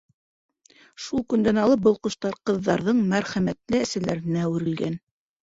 Шул көндән алып был ҡоштар ҡыҙҙарҙың мәрхәмәтле әсәләренә әүерелгән.